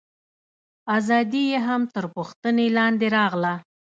ازادي یې هم تر پوښتنې لاندې راغله.